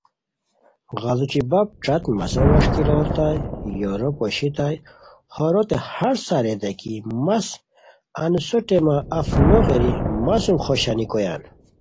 غیڑوچی بپ ݯت مسو ووسکی لوڑیتائے یورو پوشیتائے ہوروتے ہݰ ساریتائے کی مس انوسو ٹیمہ اف نو غیری مہ سُم خوشانی کویان